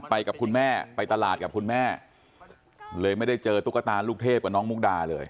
กับคุณแม่ไปตลาดกับคุณแม่เลยไม่ได้เจอตุ๊กตาลูกเทพกับน้องมุกดาเลย